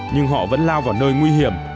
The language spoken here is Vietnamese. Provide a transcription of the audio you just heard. nhưng họ vẫn lao vào nơi nguy hiểm